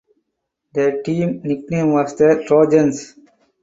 The team nickname was the Trojans.